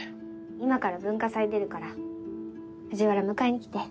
今から文化祭出るから藤原迎えに来て。